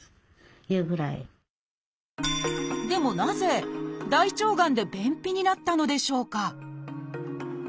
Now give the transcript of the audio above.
でもなぜ大腸がんで便秘になったのでしょうか？